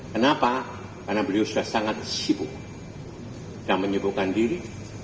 kenapa karena beliau sudah sangat sibuk dan menyuguhkan diri